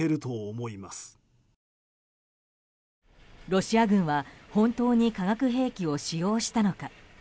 ロシア軍は本当に化学兵器を使用したのか。